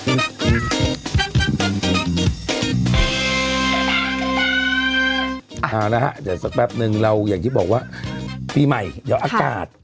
เอาละฮะเดี๋ยวสักแป๊บนึงเราอย่างที่บอกว่าปีใหม่เดี๋ยวอากาศ